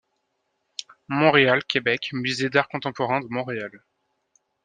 Montréal, Qc: Musée d art contemporain de Montréal.